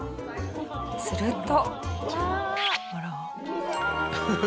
すると。